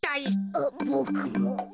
あっボクも。